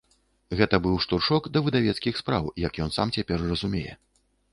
Гэта быў штуршок да выдавецкіх спраў, як ён сам цяпер разумее.